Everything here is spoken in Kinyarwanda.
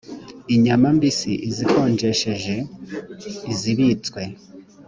inyama mbisi izikonjesheje izibitswe